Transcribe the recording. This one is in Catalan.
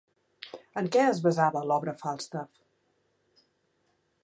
En què es basava l'obra Falstaff?